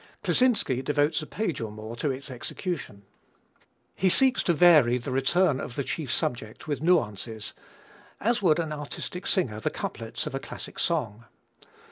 Kleczynski devotes a page or more to its execution. He seeks to vary the return of the chief subject with nuances as would an artistic singer the couplets of a classic song.